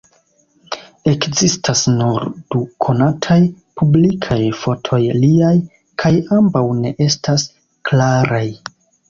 Ekzistas nur du konataj publikaj fotoj liaj; kaj ambaŭ ne estas klaraj.